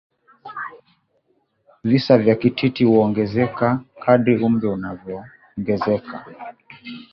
Visa vya kititi huongezeka kadri umri unavyoongezeka